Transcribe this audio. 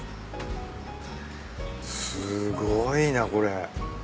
すごいなこれ。